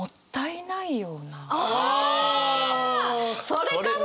それかも！